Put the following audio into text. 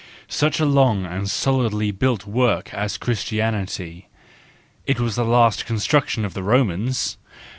Such a long and solidly built work as Christianity—it was the last construction of the Romans!